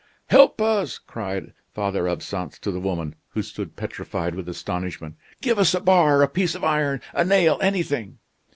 "Help us!" cried Father Absinthe to the woman, who stood petrified with astonishment; "give us a bar, a piece of iron, a nail anything!"